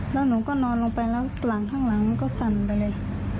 แล้วหนูก็นอนลงไปแล้วหลังข้างหลังมันก็สั่นไปเลย